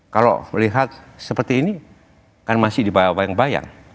kalau melihat seperti ini kan masih dibawa bayang bayang